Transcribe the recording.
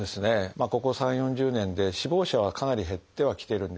ここ３０４０年で死亡者はかなり減ってはきているんです。